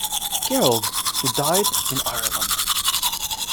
Gerald, who died in Ireland.